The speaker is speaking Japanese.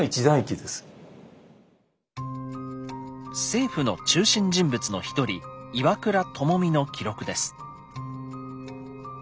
政府の中心人物の一人岩倉具視の記録です。